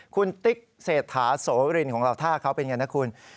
คุณติ๊กเศรษฐาโสรินของเราท่าเขาเป็นไงนะคุณ